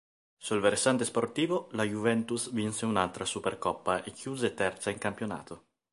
Sul versante sportivo la Juventus vinse un'altra Supercoppa e chiuse terza in campionato.